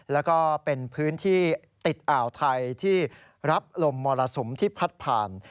แล้วก็เป็นพื้นที่ติดอ่าวไทยที่รับลมมรสุมที่พัดผ่าน